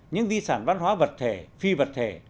những di sản văn hóa vật thể phi vật thể